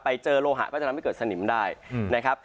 ไปเจอโลหะก็จะทำให้เกิดสนิมได้นะครับ